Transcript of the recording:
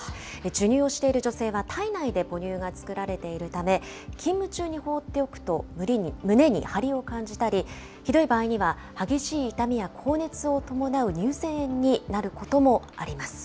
授乳をしている女性は、体内で母乳が作られているため、勤務中に放っておくと、胸に張りを感じたり、ひどい場合には、激しい痛みや高熱を伴う乳腺炎になることもあります。